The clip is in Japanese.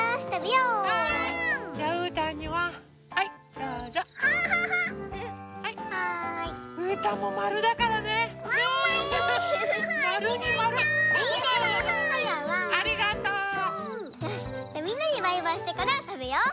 よしみんなにバイバイしてからたべよう。